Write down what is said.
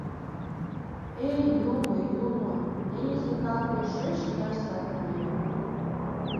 Эй, юмо, юмо, тенийсе калык йӧршеш ияш савырнен...